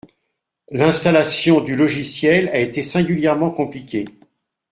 L’installation du logiciel a été singulièrement compliquée.